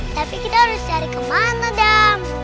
tapi kita harus cari kemana dam